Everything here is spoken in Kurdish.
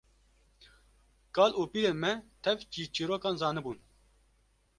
Kal û pîrên me tev çîrçîrokan zanibûn